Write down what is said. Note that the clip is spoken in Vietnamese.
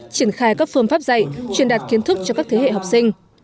triển khai các phương pháp dạy truyền đạt kiến thức cho các thế hệ học sinh